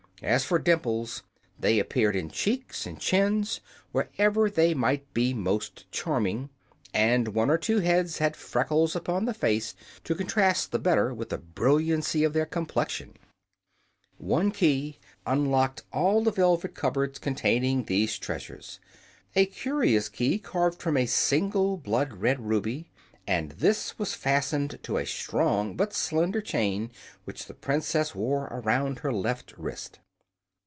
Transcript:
As for dimples, they appeared in cheeks and chins, wherever they might be most charming, and one or two heads had freckles upon the faces to contrast the better with the brilliancy of their complexions. One key unlocked all the velvet cupboards containing these treasures a curious key carved from a single blood red ruby and this was fastened to a strong but slender chain which the Princess wore around her left wrist.